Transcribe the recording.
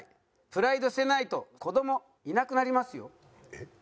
えっ？